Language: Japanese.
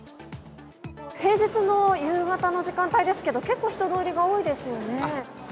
平日の夕方の時間帯ですけど結構人通りが多いですよね。